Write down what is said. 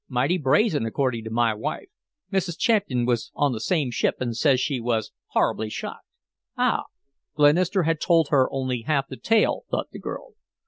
Mighty brazen, according to my wife. Mrs. Champian was on the same ship and says she was horribly shocked." Ah! Glenister had told her only half the tale, thought the girl.